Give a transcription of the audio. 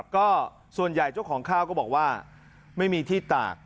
ก็ส่วนใหญ่เจ้าของข้าวก็บอกว่าไม่มีที่ตาก